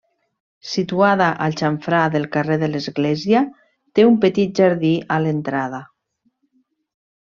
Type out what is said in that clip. Situada al xamfrà del carrer de l'església, té un petit jardí a l'entrada.